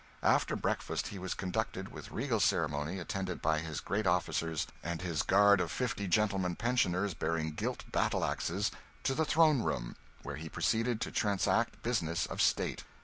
After breakfast he was conducted, with regal ceremony, attended by his great officers and his guard of fifty Gentlemen Pensioners bearing gilt battle axes, to the throne room, where he proceeded to transact business of state.